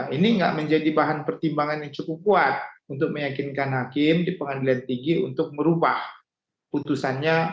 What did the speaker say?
ini nggak menjadi bahan pertimbangan yang cukup kuat untuk meyakinkan hakim di pengadilan tinggi untuk merubah putusannya